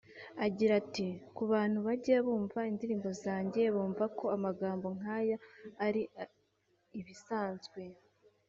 Agira ati “Ku bantu bajya bumva indirimbo zanjye bumva ko amagambo nk’aya ari ibisanzwe